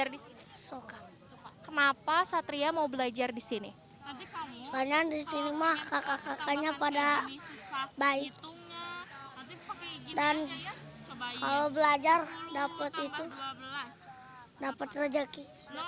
dan kalau belajar dapat itu dapat rejeki